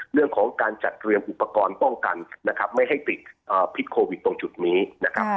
เรื่องของการจัดเตรียมอุปกรณ์ป้องกันนะครับไม่ให้ติดพิษโควิดตรงจุดนี้นะครับ